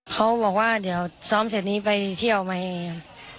เขาบอกว่าเดี๋ยวซ้อมเสร็จนี้ไปเที่ยวมาเอง